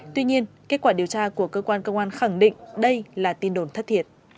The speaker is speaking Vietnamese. tuy nhiên kết quả điều tra của cơ quan công an khẳng định đây là tin đồn thất thiệt